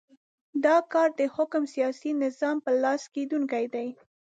دا کار د حاکم سیاسي نظام په لاس کېدونی دی.